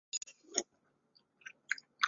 当时一栋房不过十二三万